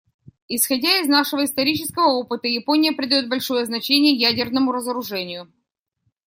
Исходя из нашего исторического опыта, Япония придает большое значение ядерному разоружению.